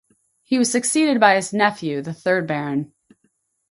He was succeeded by his nephew, the third Baron.